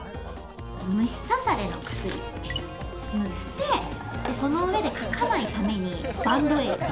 虫刺されの薬を塗ってそのうえで、かかないためにバンドエイド。